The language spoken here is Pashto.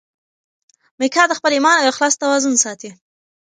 میکا د خپل ایمان او اخلاص توازن ساتي.